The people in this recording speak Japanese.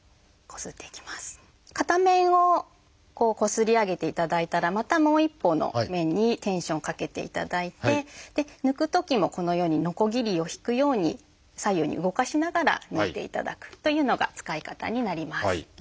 片面をこすり上げていただいたらまたもう一方の面にテンションをかけていただいて抜くときもこのようにノコギリを引くように左右に動かしながら抜いていただくというのが使い方になります。